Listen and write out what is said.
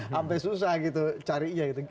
sampai susah gitu carinya gitu